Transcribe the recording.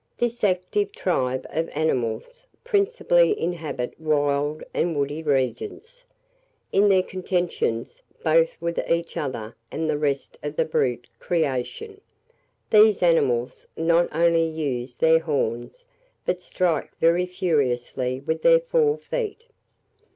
This active tribe of animals principally inhabit wild and woody regions. In their contentions, both with each other and the rest of the brute creation, these animals not only use their horns, but strike very furiously with their fore feet.